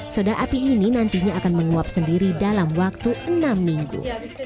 soda api ini nantinya akan menguap sendiri dalam waktu enam minggu